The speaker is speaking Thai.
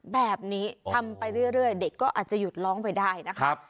แบบนี้ทำไปเรื่อยเด็กก็อาจจะหยุดร้องไปได้นะครับ